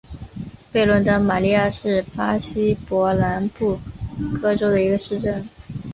贝伦德马里亚是巴西伯南布哥州的一个市镇。